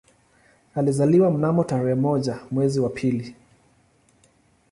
Alizaliwa mnamo tarehe moja mwezi wa pili